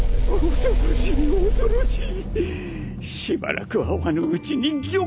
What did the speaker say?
恐ろしい恐ろしい。